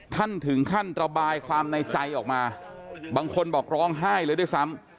ถึงขั้นระบายความในใจออกมาบางคนบอกร้องไห้เลยด้วยซ้ำ